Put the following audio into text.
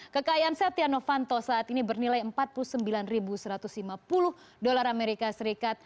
kekayaan setia novanto saat ini bernilai empat puluh sembilan satu ratus lima puluh usd